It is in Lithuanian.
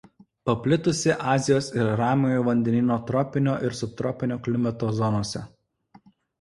Paplitusi Azijos ir Ramiojo vandenyno tropinio ir subtropinio klimato zonose.